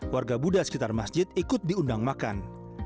warga buddha sekitar masjid ikut diundang makan